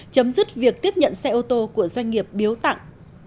chấm dứt việc tiếp nhận xe ô tô của doanh nghiệp biếu tặng